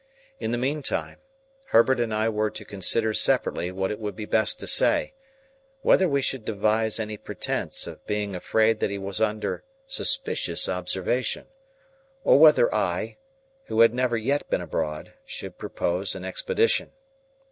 In the mean time, Herbert and I were to consider separately what it would be best to say; whether we should devise any pretence of being afraid that he was under suspicious observation; or whether I, who had never yet been abroad, should propose an expedition.